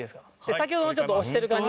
先ほどのちょっと押してる感じ